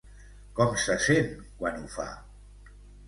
Com se sent quan ho fa?